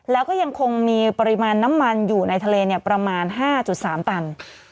แล้วก็ยังคงมีปริมาณน้ำมันอยู่ในทะเลประมาณ๕๓ตัน